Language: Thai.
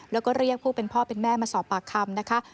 แล้วก็เรียกผู้เป็นพ่อเป็นแม่มาสอบปากคำนะคะ